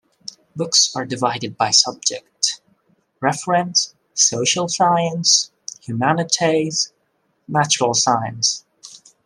Books are divided by subject - Reference, Social Science, Humanities, Natural Science.